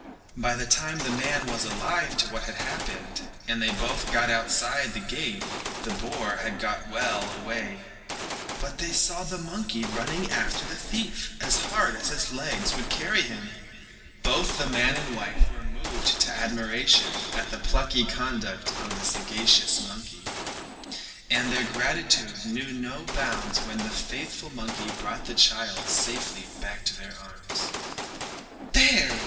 By the time that the man was alive to what had happened, and they both got outside the gate, the boar had got well away, but they saw the monkey running after the thief as hard as his legs would carry him. Both the man and wife were moved to admiration at the plucky conduct of the sagacious monkey, and their gratitude knew no bounds when the faithful monkey brought the child safely back to their arms. "There!"